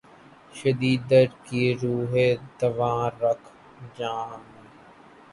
شدید درد کی رو ہے رواں رگ ِ جاں میں